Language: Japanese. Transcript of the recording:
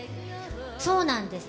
そうなんです。